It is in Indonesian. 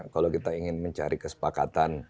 kalau kita ingin mencari kesepakatan